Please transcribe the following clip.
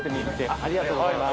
ありがとうございます。